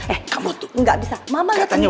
eh kamu tuh nggak bisa mama lihat sendiri